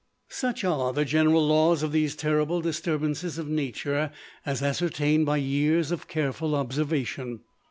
Such are the general laws of these terrible disturbances of nature, as ascertained by years of careful observation.